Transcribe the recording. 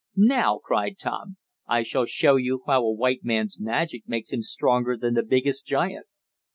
"Now!" cried Tom. "I shall show you how a white man's magic makes him stronger than the biggest giant."